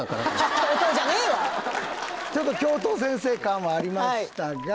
ちょっと教頭先生感はありましたが。